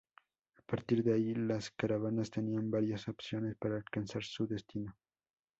A partir de ahí, las caravanas tenían varias opciones para alcanzar su destino.